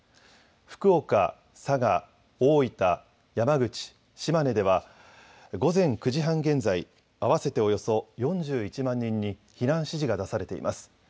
福岡、佐賀、大分、山口、島根では、午前９時半現在、合わせておよそ４１万人に避難指示が出されています。